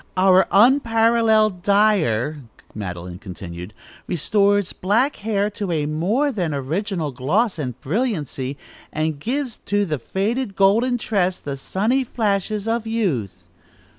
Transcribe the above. "Our unparalleled dyer," Madeline continued, "restores black hair to a more than original gloss and brilliancy, and gives to the faded golden tress the sunny flashes of youth."